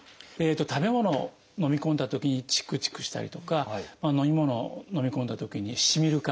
食べ物をのみ込んだときにちくちくしたりとか飲み物をのみ込んだときにしみる感じ。